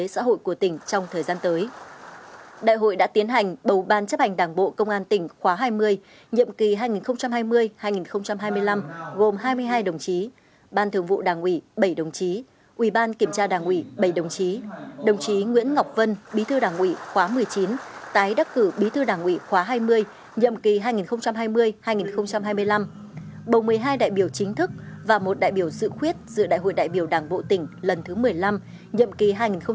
bầu ban chấp hành đảng bộ công an tỉnh khóa hai mươi nhậm kỳ hai nghìn hai mươi hai nghìn hai mươi năm gồm hai mươi hai đồng chí ban thường vụ đảng ủy bảy đồng chí ubk đảng ủy bảy đồng chí đồng chí nguyễn ngọc vân bí thư đảng ủy khóa một mươi chín tái đắc cử bí thư đảng ủy khóa hai mươi nhậm kỳ hai nghìn hai mươi hai nghìn hai mươi năm bầu một mươi hai đại biểu chính thức và một đại biểu sự khuyết giữa đại hội đại biểu đảng bộ tỉnh lần thứ một mươi năm nhậm kỳ hai nghìn hai mươi hai nghìn hai mươi năm